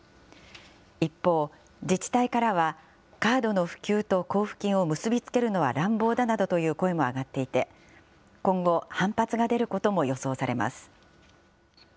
一方、自治体からはカードの普及と交付金を結び付けるのは乱暴だなどという声も上がっていて、今後、反発が出ることも予想されます。